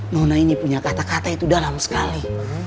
nona ini punya kata kata itu dalam sekali